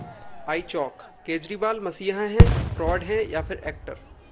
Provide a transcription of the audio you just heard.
iChowk: Kejriwal मसीहा हैं, fraud हैं या फिर एक्टर?